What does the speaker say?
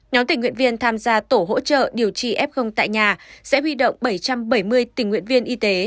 nhóm tình nguyện viên tham gia tổ hỗ trợ điều trị f tại nhà sẽ huy động bảy trăm bảy mươi tình nguyện viên y tế